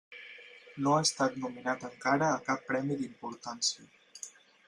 No ha estat nominat encara a cap premi d'importància.